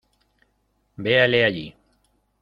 véale allí.